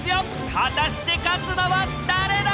果たして勝つのは誰だ？